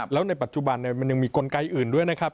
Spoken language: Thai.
แล้วในปัจจุบันมันยังมีกลไกอื่นด้วยนะครับ